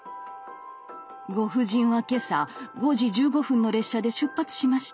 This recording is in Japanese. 「ご婦人は今朝５時１５分の列車で出発しました。